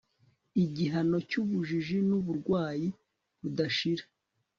igihano cy'ubujijji nuburwayi budashira